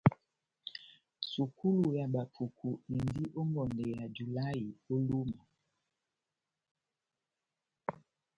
Sukulu ya bapuku endi ó ngɔndɛ yá julahï ó Lúma.